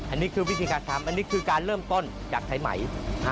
อันนี้คือวิธีการทำอันนี้คือการเริ่มต้นจากไทยไหม